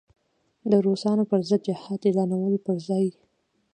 د روسانو پر ضد جهاد اعلانولو پر ځای.